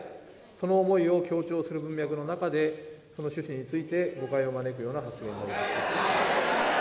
その思いを強調する文脈の中で、その趣旨について、誤解を招くような発言がありました。